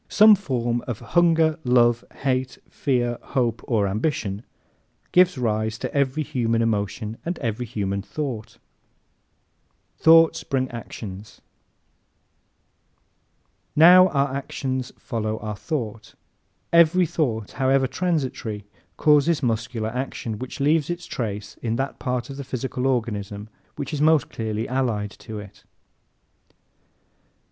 Some form of hunger, love, hate, fear, hope or ambition gives rise to every human emotion and every human thought. Thoughts Bring Actions ¶ Now our actions follow our thoughts. Every thought, however transitory, causes muscular action, which leaves its trace in that part of the physical organism which is most closely allied to it.